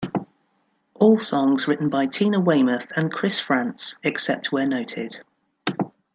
All songs written by Tina Weymouth and Chris Frantz, except where noted.